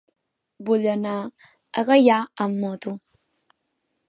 Vull anar a Gaià amb moto.